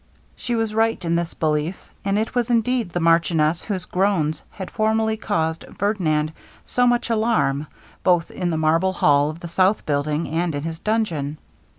She was right in this belief, and it was indeed the marchioness whose groans had formerly caused Ferdinand so much alarm, both in the marble hall of the south buildings, and in his dungeon.